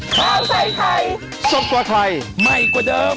ข้าวใส่ไทยสดกว่าไทยใหม่กว่าเดิม